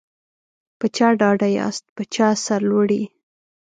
په چا ډاډه یاست په چا سرلوړي